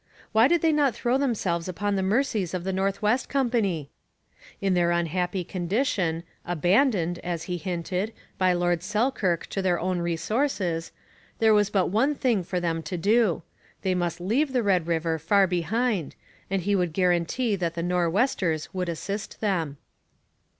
Why did they not throw themselves upon the mercies of the North West Company? In their unhappy condition, abandoned, as he hinted, by Lord Selkirk to their own resources, there was but one thing for them to do. They must leave the Red River far behind, and he would guarantee that the Nor'westers would assist them.